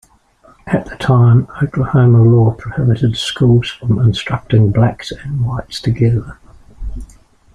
At the time, Oklahoma law prohibited schools from instructing blacks and whites together.